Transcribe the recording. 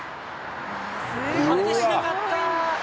果てしなかった。